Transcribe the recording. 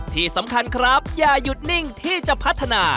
ที่สำคัญครับอย่าหยุดนิ่งที่จะพัฒนา